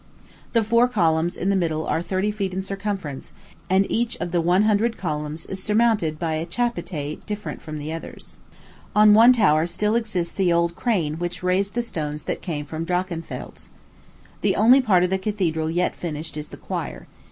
The four columns in the middle are thirty feet in circumference, and each of the one hundred columns is surmounted by a chapiter different from the others." On one tower still exists the old crane which raised the stones that came from Drachenfels. The only part of the cathedral yet finished is the choir.